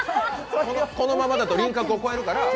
このままだと輪郭を越えるから。